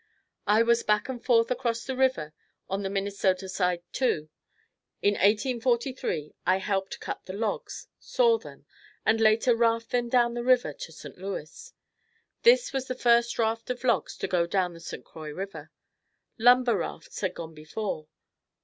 I was back and forth across the river on the Minnesota side too. In 1843, I helped cut the logs, saw them, and later raft them down the river to St. Louis. This was the first raft of logs to go down the St. Croix river. Lumber rafts had gone before.